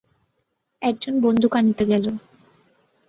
একজন বন্দুক আনিতে গেল।